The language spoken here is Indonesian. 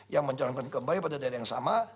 yang mencalonkan kembali pada daerah yang sama